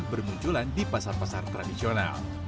bermunculan di pasar pasar tradisional